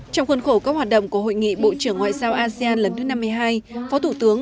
trong khuôn khổ các hoạt động của hội nghị bộ trưởng ngoại giao asean lần thứ năm mươi hai phó thủ tướng